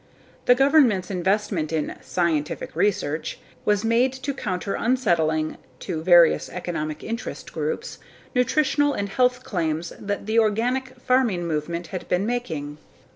The government's investment in "scientific research" was made to counter unsettling (to various economic interest groups) nutritional and health claims that the organic farming movement had been making.